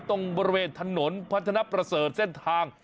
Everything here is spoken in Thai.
ตรงบริเวณถนนพัฒนประเสริฐเส้นทาง